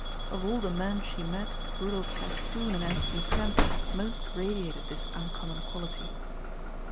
Of all the men she met Rudolph Castoon and Anthony Trent most radiated this uncommon quality.